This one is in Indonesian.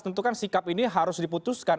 tentukan sikap ini harus diputuskan